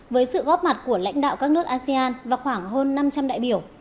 với sự góp mặt của lãnh đạo các nước asean và khoảng hơn năm trăm linh đại biểu